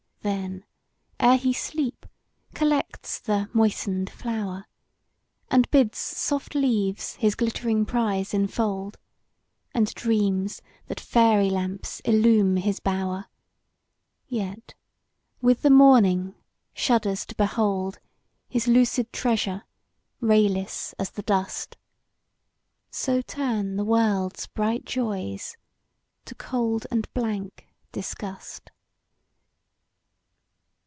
Then, ere he sleep, collects "the moisten'd" flower, And bids soft leaves his glittering prize enfold, And dreams that Fairy lamps illume his bower: Yet with the morning shudders to behold His lucid treasure, rayless as the dust! So turn the world's bright joys to cold and blank disgust.